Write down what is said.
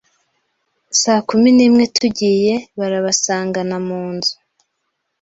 saa kumi n’imwe tugiye barabasangana mu nzu